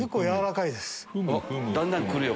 だんだんくるよ。